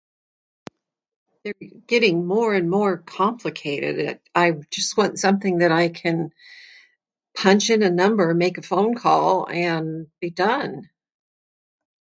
They're getting more and more complicated; I- I just want something that I can...punch in a number and make a phone call and...be done!